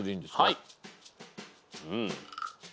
はい。